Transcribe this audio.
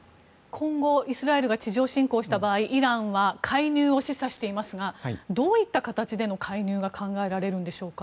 今後、イスラエルが地上侵攻をした場合イランは介入を示唆していますがどういった形での介入が考えられるんでしょうか。